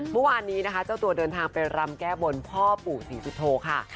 เมื่อวานนี้นะคะเจ้าตัวเดินทางไปรำแก้บนพ่อปู่ศรีสุโธค่ะ